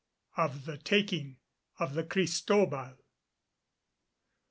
OF THE TAKING OF THE CRISTOBAL.